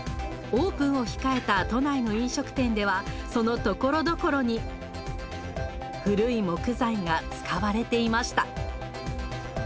オープンを控えた都内の飲食店ではそのところどころに古い木材が使われていました。